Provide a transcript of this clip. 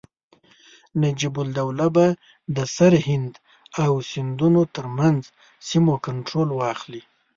نجیب الدوله به د سرهند او سیندونو ترمنځ سیمو کنټرول واخلي.